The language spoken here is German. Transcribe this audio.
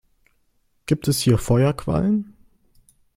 Gibt es hier Feuerquallen?